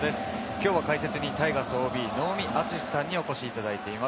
きょうは解説にタイガースＯＢ・能見篤史さんにお越しいただいています。